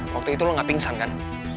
waktu itu lo gak pingsan kan